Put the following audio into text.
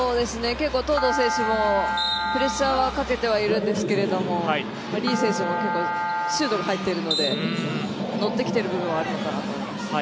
結構、東藤選手もプレッシャーはかけてはいるんですがリ選手も結構、シュートが入っているので乗ってきている部分はあるのかなと思います。